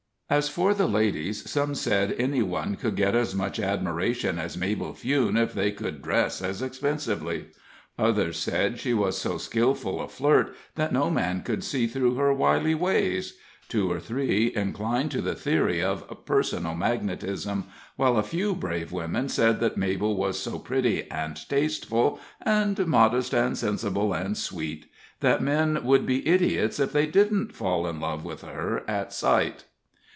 As for the ladies, some said any one could get as much admiration as Mabel Fewne if they could dress as expensively; others said she was so skillful a flirt that no man could see through her wily ways; two or three inclined to the theory of personal magnetism; while a few brave women said that Mabel was so pretty and tasteful, and modest and sensible and sweet, that men would be idiots if they didn't fall in love with her at sight.